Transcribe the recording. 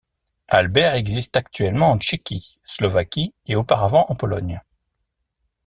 Albert existe actuellement en Tchéquie, Slovaquie et auparavant en Pologne.